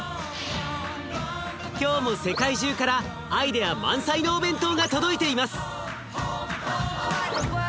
今日も世界中からアイデア満載のお弁当が届いています。